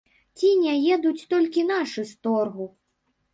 Ці не едуць толькі нашы з торгу!